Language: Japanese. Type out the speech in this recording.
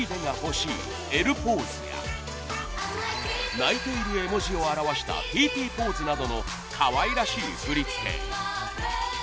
泣いている絵文字を表したＴＴポーズなどの可愛らしい振り付け。